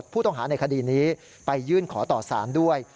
ผู้ต้องหาในคดีนี้ไปยื่นขอต่อสารด้วย